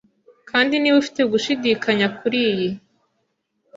Kandi niba ufite ugushidikanya kuriyi